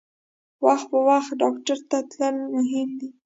وخت په وخت ډاکټر ته تلل مهم دي.